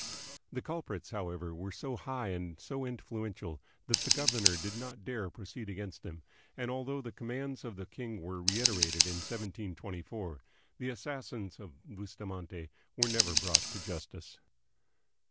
The culprits, however, were so high and so influential that the governor did not dare 220 THE PHILIPPINES. proceed against them; and although the commands of the king were reiterated in 1724, the assassins of Bustamante were never brought to justice.